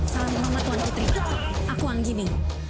salam muhammad tuan putri aku anggini